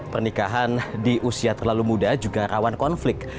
pernikahan di usia terlalu muda juga rawan konflik